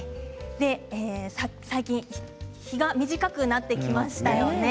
最近、日が短くなってきましたね。